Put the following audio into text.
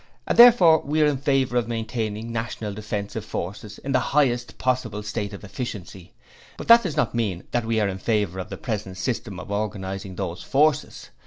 And therefore we are in favour of maintaining national defensive forces in the highest possible state of efficiency. But that does not mean that we are in favour of the present system of organizing those forces.